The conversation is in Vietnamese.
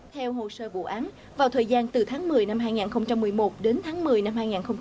theo hồ sơ vụ án vào thời gian từ tháng một mươi năm hai nghìn một mươi một đến tháng một mươi năm hai nghìn một mươi bảy